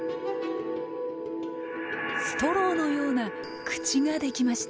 ストローのような口ができました。